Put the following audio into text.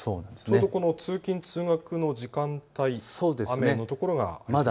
ちょうど通勤通学の時間帯、雨の所がありそうですか。